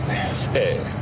ええ。